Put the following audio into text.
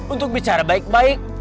untuk bicara baik baik